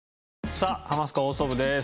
さあ『ハマスカ放送部』です。